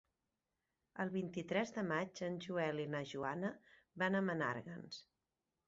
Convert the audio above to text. El vint-i-tres de maig en Joel i na Joana van a Menàrguens.